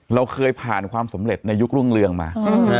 เราเคยผ่านความสำเร็จในยุครุ่งเรืองมา